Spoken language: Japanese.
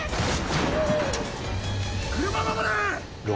車を守れ！